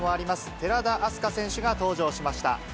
寺田明日香選手が登場しました。